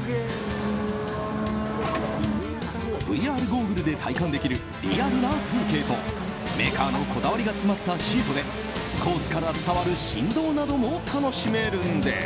ＶＲゴーグルで体感できるリアルな風景とメーカーのこだわりが詰まったシートでコースから伝わる振動なども楽しめるんです。